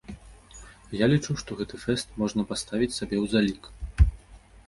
Я лічу, што гэты фэст можна паставіць сабе ў залік.